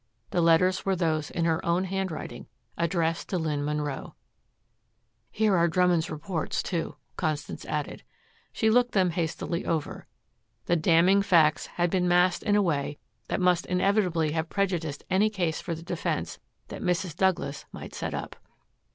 The letters were those in her own handwriting addressed to Lynn Munro. "Here are Drummond's reports, too," Constance added. She looked them hastily over. The damning facts had been massed in a way that must inevitably have prejudiced any case for the defense that Mrs. Douglas might set up.